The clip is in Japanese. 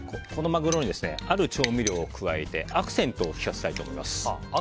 このマグロにある調味料を加えてアクセントを利かせたいと思います。